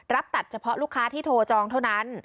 ตัดเฉพาะลูกค้าที่โทรจองเท่านั้น